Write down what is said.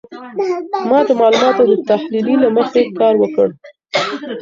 ما د معلوماتو د تحلیلې له مخي کار وکړ.